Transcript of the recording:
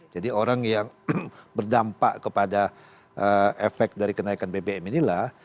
jadi orang yang berdampak kepada efek dari kenaikan bbm inilah